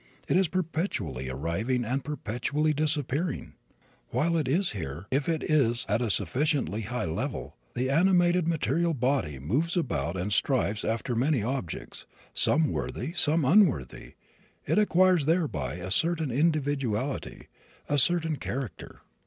It is perpetually arriving and perpetually disappearing. While it is here, if it is at a sufficiently high level, the animated material body moves about and strives after many objects, some worthy, some unworthy; it acquires thereby a certain individuality, a certain character.